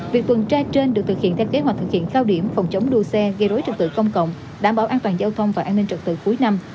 việc tuần tra trên được thực hiện theo kế hoạch thực hiện cao điểm phòng chống đua xe gây rối trật tự công cộng đảm bảo an toàn giao thông và an ninh trật tự cuối năm